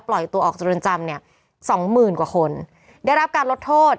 ปล่อยตัวออกจากเรือนจำเนี่ยสองหมื่นกว่าคนได้รับการลดโทษ